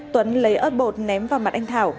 tuấn lấy ớt bột ném vào mặt anh thảo